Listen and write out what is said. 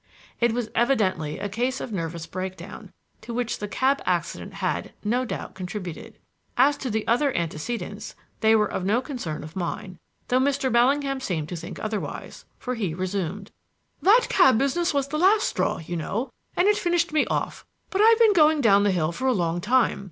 It was evidently a case of nervous breakdown, to which the cab accident had, no doubt, contributed. As to the other antecedents, they were of no concern of mine, though Mr. Bellingham seemed to think otherwise, for he resumed: "That cab business was the last straw, you know, and it finished me off, but I have been going down the hill for a long time.